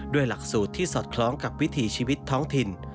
หลักสูตรที่สอดคล้องกับวิถีชีวิตท้องถิ่น